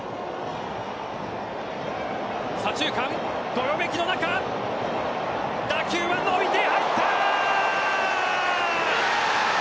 左中間、どよめきの中打球は伸びて入ったー！